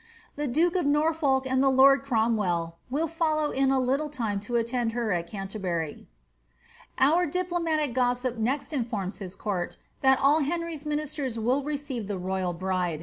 The duke of Norfolk and the lord Cromwell will follow tn a liiHi ame m alland h«r al Canterbury." Oiir iliplumalif gowip next informi his court, lliat all Henry's minie wn will receive iLe royal hriile.